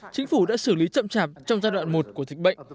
chính phủ đã xử lý chậm chạp trong giai đoạn một của dịch bệnh